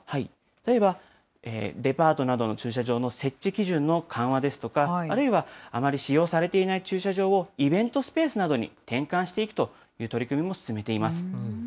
例えば、デパートなどの駐車場の設置基準の緩和ですとか、あるいはあまり使用されていない駐車場をイベントスペースなどに転換していくという取り組みも進めています。